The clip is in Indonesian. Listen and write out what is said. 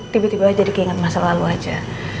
tiba tiba aja diingat masa lalu aja